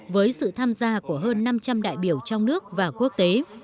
với sự tham gia của hơn năm trăm linh đại biểu trong nước và quốc tế